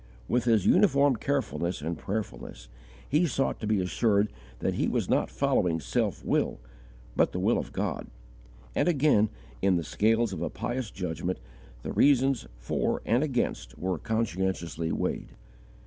With his uniform carefulness and prayerfulness, he sought to be assured that he was not following self will, but the will of God; and again in the scales of a pious judgment the reasons for and against were conscientiously weighed.